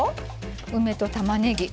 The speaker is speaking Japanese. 梅とたまねぎ。